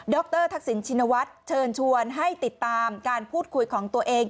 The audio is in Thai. รทักษิณชินวัฒน์เชิญชวนให้ติดตามการพูดคุยของตัวเอง